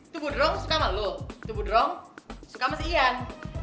tubu derong suka sama lo tubu derong suka sama si ian